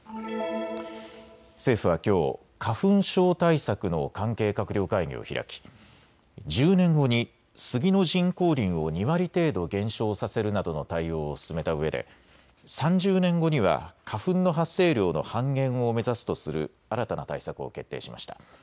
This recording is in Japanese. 政府はきょう花粉症対策の関係閣僚会議を開き１０年後にスギの人工林を２割程度減少させるなどの対応を進めたうえで３０年後には花粉の発生量の半減を目指すとする新たな対策を決定しました。